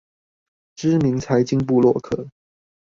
知名財經部落客